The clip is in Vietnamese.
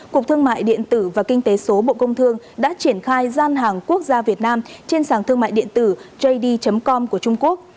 cục thương mại điện tử và kinh tế số bộ công thương đã triển khai gian hàng quốc gia việt nam trên sàn thương mại điện tử jd com của trung quốc